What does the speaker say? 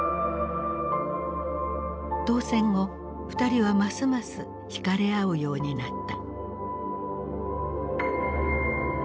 当選後二人はますます引かれ合うようになった。